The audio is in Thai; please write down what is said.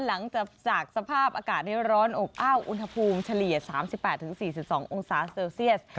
หลังจากจากสภาพอากาศนี้ร้อนอบอ้าวอุณหภูมิเฉลี่ย๓๘๔๒องศาเซลเซียส